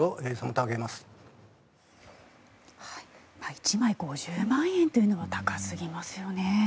１枚５０万円というのは高すぎますよね。